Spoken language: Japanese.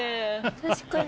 確かに。